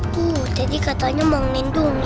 tuh tadi katanya mau ngelindungi